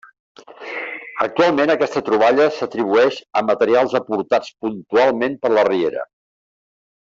Actualment aquesta troballa s'atribueix a materials aportats puntualment per la riera.